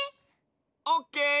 オッケー！